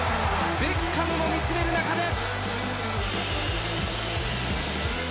ベッカムも見つめる中で。